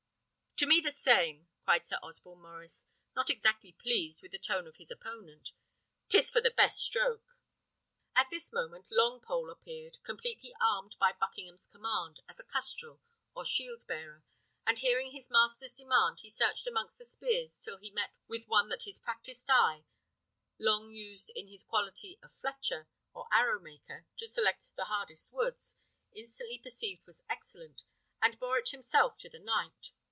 "To me the same!" cried Sir Osborne Maurice, not exactly pleased with the tone of his opponent. "'Tis for the best stroke." At this moment Longpole appeared, completely armed by Buckingham's command, as a custrel, or shield bearer; and hearing his master's demand, he searched amongst the spears till he met with one that his practised eye, long used in his quality of fletcher, or arrow maker, to select the hardest woods, instantly perceived was excellent, and bore it himself to the knight.